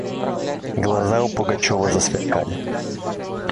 Глаза у Пугачева засверкали.